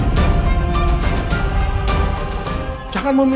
berubah jalan kamu